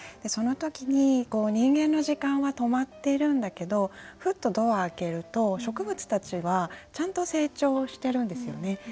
その時に人間の時間は止まってるんだけどふとドアを開けると植物たちはちゃんと成長してるんですよね。